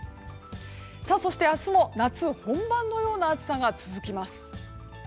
そして、明日も夏本番のような暑さが続きます。